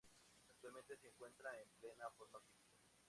Actualmente, se encuentra en plena forma física.